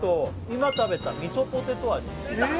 今食べたみそポテト味・え！